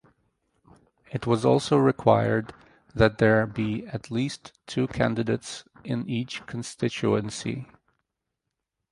It was also required that there be at least two candidates in each constituency.